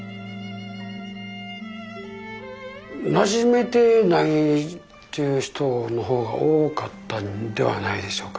なじめてないっていう人の方が多かったんではないでしょうかね。